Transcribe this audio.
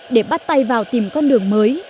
để bắt tay vào tìm con đường mới